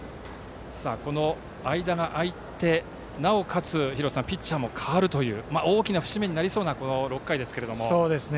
間が空いて、なおかつ廣瀬さんピッチャーも代わるという大きな節目になりそうな６回ですが。